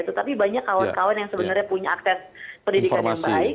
tetapi banyak kawan kawan yang sebenarnya punya akses pendidikan yang baik